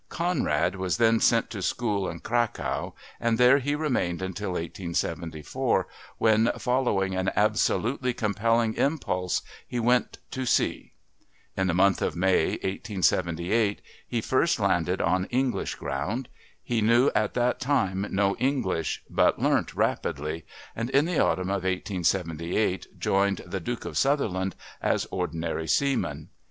Conrad was then sent to school in Cracow and there he remained until 1874, when, following an absolutely compelling impulse, he went to sea. In the month of May, 1878, he first landed on English ground; he knew at that time no English but learnt rapidly, and in the autumn of 1878 joined the Duke of Sutherland as ordinary seaman.